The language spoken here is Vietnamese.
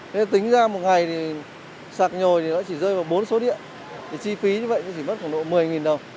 thế tính ra một ngày sạc nhồi thì nó chỉ rơi vào bốn số điện